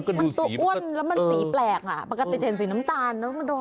มันก็ดูสีตัวอ้วนแล้วมันสีแปลกปกติจะเห็นน้ำตาล